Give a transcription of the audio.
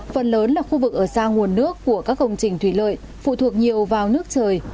phần lớn là khu vực ở xa nguồn nước của các công trình thủy lợi phụ thuộc nhiều vào nước trời